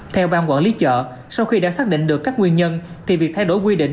theo ban quản lý chợ sau khi đã xác định được các nguyên nhân thì việc thay đổi quy định